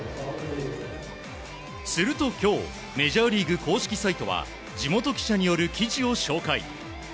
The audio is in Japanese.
すると今日メジャーリーグ公式サイトは地元記者による記事を紹介。